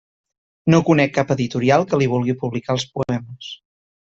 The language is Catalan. No conec cap editorial que li vulgui publicar els poemes.